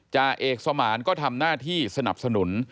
จ่าเอกสมานก็ทำหน้าที่สนับสนุน